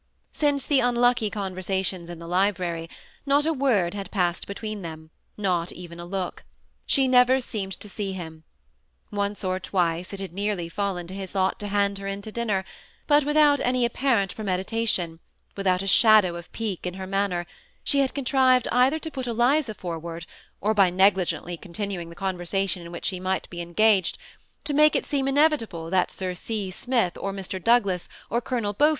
Since the unlucky conversation in the library, not a word had passed between them, not even a look ; she never seemed to see him. Once or twice 160 THE SEMI ATTACHED COUPLE. it had nearly fallen to his lot to hand her in to din> ner ; but without anj apparent premeditation, without a shadow of pique in Iier manner, she had contrived either to put Eliza forward, or by negligently continu ing the conversation in which she might be engaged, to make it deem inevitable that Sir C. Smith, or Mr. Douglas, or Colonel Beaufo.